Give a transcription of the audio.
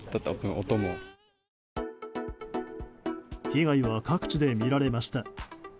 被害は各地で見られました。